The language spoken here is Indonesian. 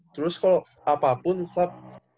terus kalau apapun club